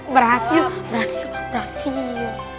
berhasil berhasil berhasil